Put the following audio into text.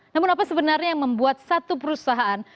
namun apa sebenarnya yang membuat satu perusahaan